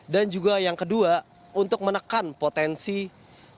dan juga yang kedua untuk menekan potensi tersebut